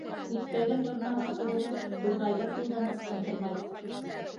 Күктәге торнаға ҡыҙығып, турғайҙы ҡулдан ысҡындырмайыҡ.